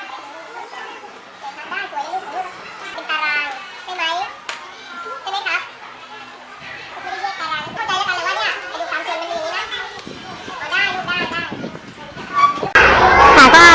น้องน้องได้อยู่ทั้งส่วน